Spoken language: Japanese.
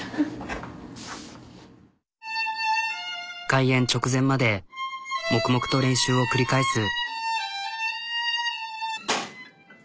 開演直前まで黙々と練習を繰り返す。